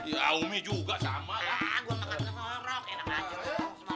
ya umi juga sama